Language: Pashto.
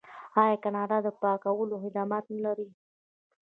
آیا کاناډا د پاکولو خدمات نلري؟